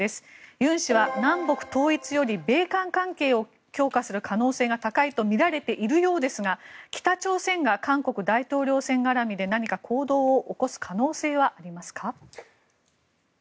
ユン氏は南北統一より米韓関係を強化する可能性が高いとみられているようですが北朝鮮が韓国大統領選挙絡みで何か行動を起こす可能性はありますか？